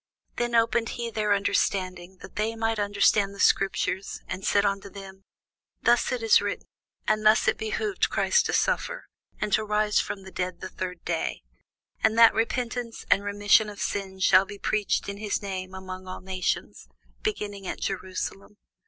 Then opened he their understanding, that they might understand the scriptures, and said unto them, Thus it is written, and thus it behoved Christ to suffer, and to rise from the dead the third day: and that repentance and remission of sins should be preached in his name among all nations, beginning at Jerusalem.